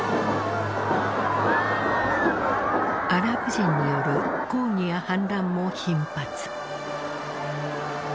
アラブ人による抗議や反乱も頻発。